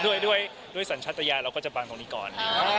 ด้วยด้วยสัญชาติยาเราก็จะบังตรงนี้ก่อน